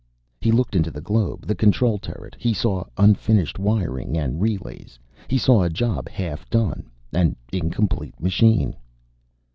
He looked into the globe, the control turret. He saw unfinished wiring and relays. He saw a job half done. An incomplete machine."